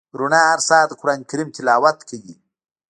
رڼا هر سهار د قران کریم تلاوت کوي.